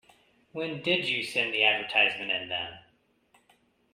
When did you send the advertisement in, then?